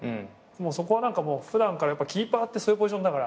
そこは普段からキーパーってそういうポジションだから。